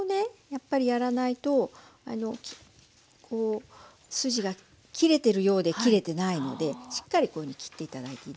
やっぱりやらないと筋が切れてるようで切れてないのでしっかりこういうふうに切って頂いていいですよ。